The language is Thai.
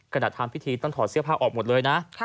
ทำพิธีต้องถอดเสื้อผ้าออกหมดเลยนะ